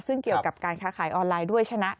ซึ่งเกี่ยวกับการค้าขายออนไลน์ด้วยชนะ